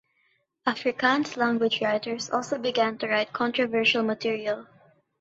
Afrikaans-language writers also began to write controversial material.